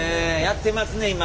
やってますね今！